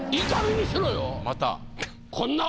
また。